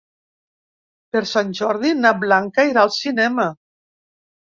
Per Sant Jordi na Blanca irà al cinema.